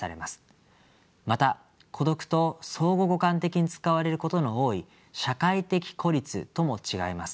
また孤独と相互互換的に使われることの多い社会的孤立とも違います。